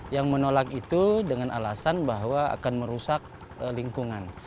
yang menolak itu dengan alasan bahwa akan merusak lingkungan